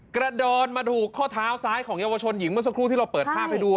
กระเด็นมาถูกข้อเท้าซ้ายของเยาวชนหญิงเมื่อสักครู่ที่เราเปิดภาพให้ดู